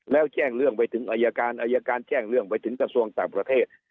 แล้วแจ้งเรื่องไปถึงอายการอายการแจ้งเรื่องไปถึงกระทรวงต่างประเทศ